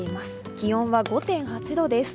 気温は５．８度です。